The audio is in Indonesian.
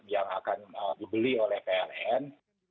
yang akan dibeli oleh pln